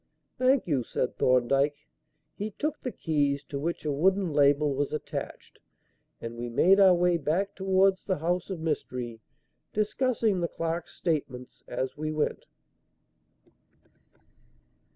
"Thank you," said Thorndyke. He took the keys, to which a wooden label was attached, and we made our way back towards the house of mystery, discussing the clerk's statements as we went.